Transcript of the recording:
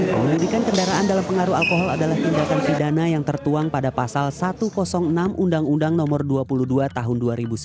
pengeludikan kendaraan dalam pengaruh alkohol adalah tindakan pidana yang tertuang pada pasal satu ratus enam undang undang nomor dua puluh dua tahun dua ribu sembilan